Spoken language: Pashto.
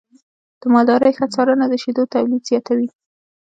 د مالدارۍ ښه څارنه د شیدو تولید زیاتوي.